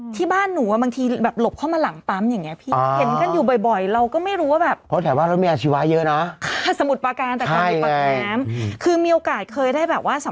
ที่บ้านหนูบางที